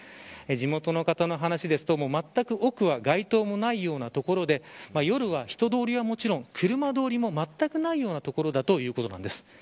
地元の方の話ですとまったく奥は街灯のないような所で夜は人通りはもちろん車通りもまったくないような所だということなんです。